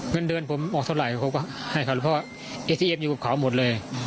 เงินเดือนผมออกเท่าไหร่เขาก็ให้เขาเพราะว่าเอซีเอ็มอยู่กับเขาหมดเลย